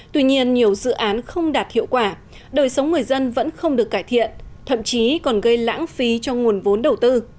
tuy nhiên nhiều dự án không đạt hiệu quả đời sống người dân vẫn không được cải thiện thậm chí còn gây lãng phí cho nguồn vốn đầu tư